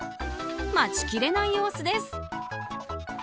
待ちきれない様子です。